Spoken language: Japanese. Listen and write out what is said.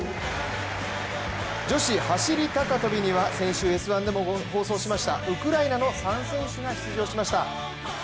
女子走り高跳びには先週「Ｓ☆１」でも紹介しましたウクライナの３選手が出場しました